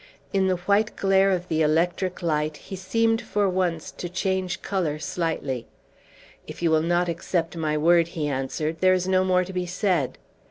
In the white glare of the electric light he seemed for once to change color slightly. "If you will not accept my word," he answered, "there is no more to be said."